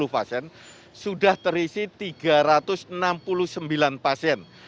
sepuluh pasien sudah terisi tiga ratus enam puluh sembilan pasien